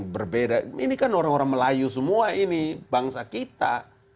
berbeda ini kan orang orang melayu semua ini bangsa kita